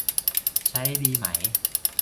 ใช้ดีไหม